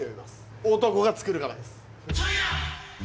男が作るからです。